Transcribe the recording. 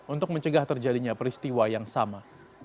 untuk mencegah terjadinya peristiwa yang sama